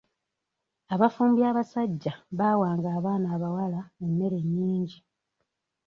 Abafumbi abasajja baawanga abaana abawala emmere nnyingi.